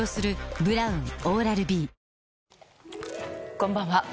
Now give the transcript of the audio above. こんばんは。